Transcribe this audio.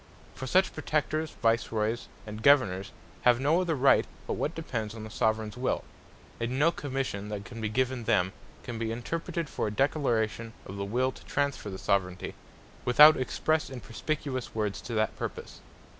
For such Protectors, Vice Roys, and Governours, have no other right, but what depends on the Soveraigns Will; and no Commission that can be given them, can be interpreted for a Declaration of the will to transferre the Soveraignty, without expresse and perspicuous words to that purpose.